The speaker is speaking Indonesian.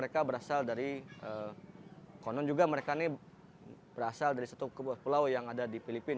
konon juga mereka berasal dari satu pulau yang ada di filipina